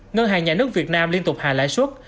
ngân hàng nhà nước việt nam liên tục hạ lãi suất